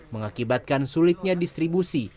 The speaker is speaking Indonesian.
mengakibatkan sulitnya distribusi